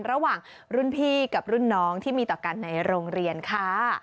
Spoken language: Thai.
ระหว่างรุ่นพี่กับรุ่นน้องที่มีต่อกันในโรงเรียนค่ะ